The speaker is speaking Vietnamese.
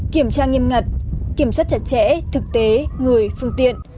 kiểm tra nghiêm ngặt kiểm soát chặt chẽ thực tế người phương tiện